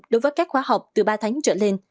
đối với các khóa học từ ba tháng trở lên